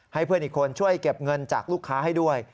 ให้เพื่อนอีกคนช่วยเก็บเงินจากลูกค้าให้ด้วย